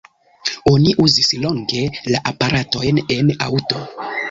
Oni uzis longe la aparatojn en aŭto.